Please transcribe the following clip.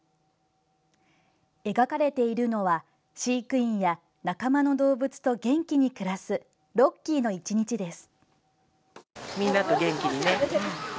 描かれているのは飼育員や仲間の動物と元気に暮らすロッキーの１日です。